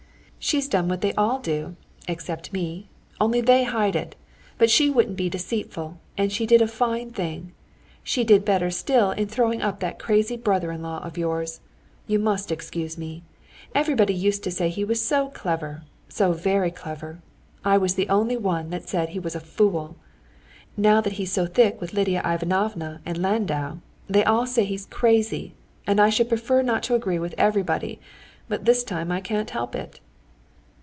"She's done what they all do, except me—only they hide it. But she wouldn't be deceitful, and she did a fine thing. And she did better still in throwing up that crazy brother in law of yours. You must excuse me. Everybody used to say he was so clever, so very clever; I was the only one that said he was a fool. Now that he's so thick with Lidia Ivanovna and Landau, they all say he's crazy, and I should prefer not to agree with everybody, but this time I can't help it."